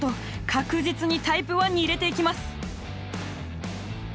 確実にタイプ１に入れていきます。